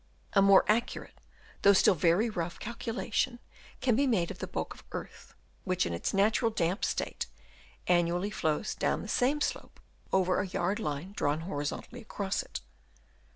A more accurate, though still very rough, calculation can be made of the bulk of earth, which in its natural damp state annually flows down the same slope over a yard line drawn horizontally across it.